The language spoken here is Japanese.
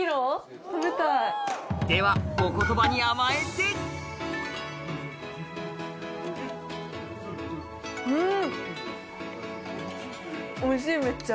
ではお言葉に甘えてん！